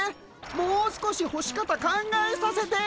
もう少しほし方考えさせて。